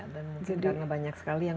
dan mungkin karena banyak sekali yang